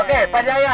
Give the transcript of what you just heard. oke pak jaya